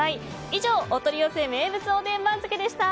以上お取り寄せ名物おでん番付でした。